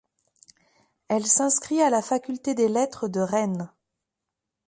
Elle s'inscrit à la faculté des lettres de Rennes.